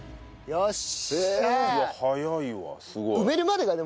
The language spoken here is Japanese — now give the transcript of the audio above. よし。